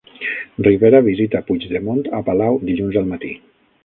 Rivera visita Puigdemont a palau dilluns al matí